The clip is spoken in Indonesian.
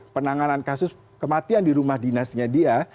penanganan kasus kematian di rumah dinasnya dia